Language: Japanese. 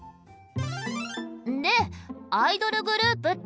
でアイドルグループっていうのは？